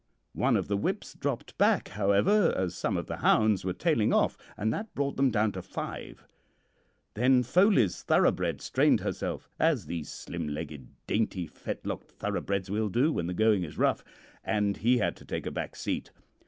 One of the whips dropped back, however, as some of the hounds were tailing off, and that brought them down to five. Then Foley's thoroughbred strained herself, as these slim legged, dainty fetlocked thoroughbreds will do when the going is rough, and he had to take a back seat.